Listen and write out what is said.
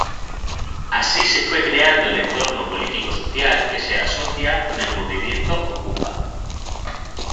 Así se fue creando el entorno político-social que se asocia con el movimiento okupa.